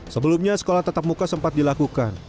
sebelumnya sekolah tatap muka sempat dilakukan